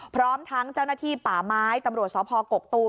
พร้อมทั้งเจ้าหน้าที่ป่าไม้ตำรวจสพกกตูม